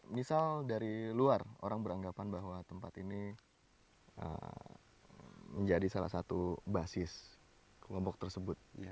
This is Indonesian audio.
misal dari luar orang beranggapan bahwa tempat ini menjadi salah satu basis kelompok tersebut